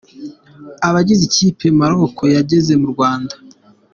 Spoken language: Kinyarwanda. Abagize ikipe ya Maroc yageze mu Rwanda.